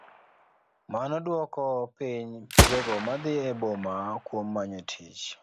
Mano duoko piny jogo madhi e boma kuom manyo tich.